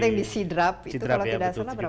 yang di sidrap itu kalau tidak salah